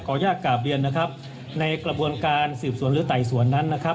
อยากกลับเรียนนะครับในกระบวนการสืบสวนหรือไต่สวนนั้นนะครับ